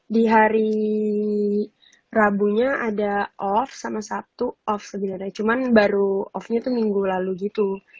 di hari rabu nya ada off sama sabtu off segitu aja cuman baru off nya itu minggu lalu gitu